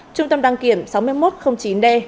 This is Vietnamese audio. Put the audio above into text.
trung tâm đăng kiểm sáu nghìn một trăm linh chín d